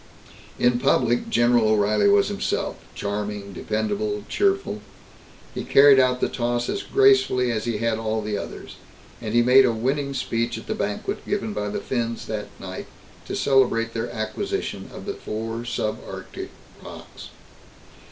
In public, General O'Reilly was himself charming, dependable, cheerful. He carried out the toss as gracefully as he had all the others, and he made a winning speech at the banquet given by the Finns that night to celebrate their acquisition of the four sub Arctic rocks.